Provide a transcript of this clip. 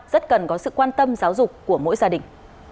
rất cần có sự quan tâm giáo dục của mỗi gia đình